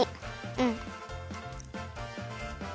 うん。